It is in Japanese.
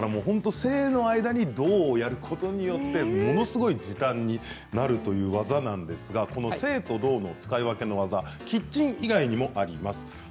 静の間に動をやることによってものすごい時短になるという技なんですが静と動の使い分けキッチン以外にもあります。